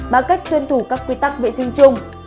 bằng cách tuân thủ các quy tắc vệ sinh chung